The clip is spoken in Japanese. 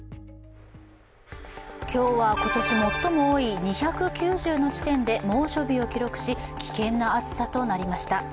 今日は今年最も多い２９０の地点で猛暑日を記録し、危険な暑さとなりました。